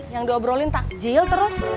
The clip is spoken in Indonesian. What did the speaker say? yang diobrolin takjil terus